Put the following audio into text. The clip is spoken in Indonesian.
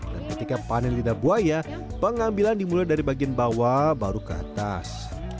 dan ketika panen lidah buaya pengambilan dimulai dari bagian bawah baru ke atas